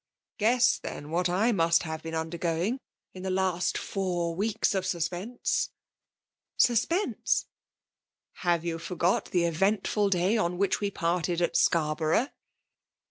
Oaes8» theii> what I must have been under going, in the last four weeks of suspense !*'" Suspense !Hove you forgot the eventful day on we parted at Scarborough